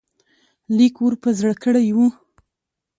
لیک ور په زړه کړی وو.